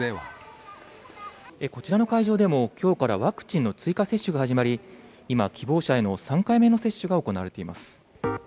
こちらの会場でも、きょうからワクチンの追加接種が始まり、今、希望者への３回目の接種が行われています。